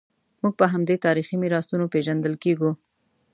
موږ په همدې تاریخي میراثونو پېژندل کېږو.